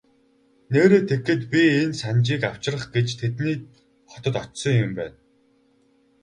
Нээрээ тэгэхэд би энэ Санжийг авчрах гэж тэдний хотод очсон юм байна.